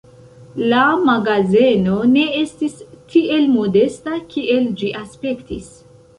La magazeno ne estis tiel modesta, kiel ĝi aspektis.